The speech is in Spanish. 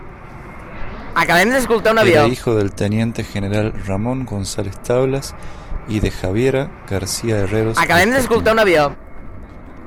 Era hijo del teniente general Ramón González-Tablas y de Javiera García-Herreros y Escartín.